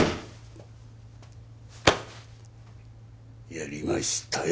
やりましたよ